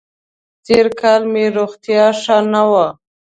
تېر کال مې روغتیا ښه نه وه